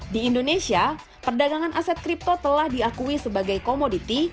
di indonesia perdagangan aset kripto telah diakui sebagai komoditi